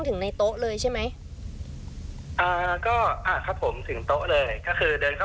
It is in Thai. คือผมไม่รู้จักคนในโต๊ะเลยสักคน